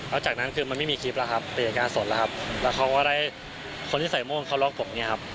แล้วจากนั้นคือมันไม่มีคลิปแล้วครับเป็นเหตุการณ์สดแล้วครับแล้วเขาก็ได้คนที่ใส่โม่งเขาล็อกผมเนี่ยครับ